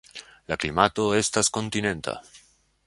La klimato estas kontinenta.